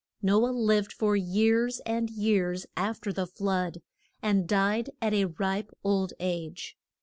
No ah lived for years and years af ter the flood, and died at a ripe old age.